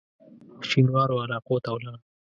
شینوارو علاقو ته ولاړ.